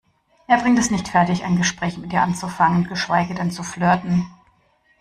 Er bringt es nicht fertig, ein Gespräch mit ihr anzufangen, geschweige denn zu flirten.